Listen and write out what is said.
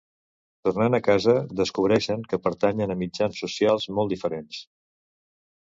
Tornant a casa, descobreixen que pertanyen a mitjans socials molt diferents.